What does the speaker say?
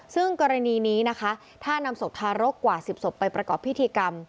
ซึ่งกรณีนี้นะคะถ้านำศพทารกกว่า๑๐ศพไปประกอบพิธีกรรม